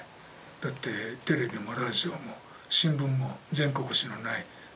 だってテレビもラジオも新聞も全国紙のない時代ですからね。